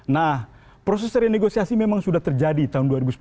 nah proses renegosiasi memang sudah terjadi tahun dua ribu sepuluh